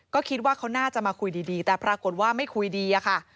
ก็คิดว่าเขาน่าจะมาคุยดีแต่ปรากฏว่าไม่คุยดีอะค่ะ